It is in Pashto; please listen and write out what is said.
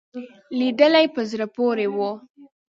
لیدلې په زړه پورې وو.